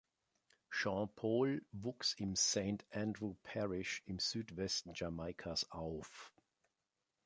Sean Paul wuchs im Saint Andrew Parish im Südwesten Jamaikas auf.